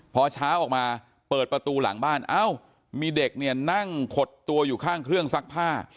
พอเช้าออกมาเปิดประตูหลังบ้านเอ้ามีเด็กเนี่ยนั่งขดตัวอยู่ข้างเครื่องซักผ้า